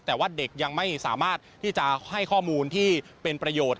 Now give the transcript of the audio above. แต่ว่าเด็กยังไม่สามารถที่จะให้ข้อมูลที่เป็นประโยชน์